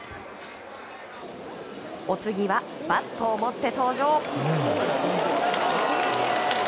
お次はバットを持って登場。